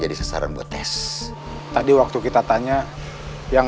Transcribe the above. habis sebelum kunjung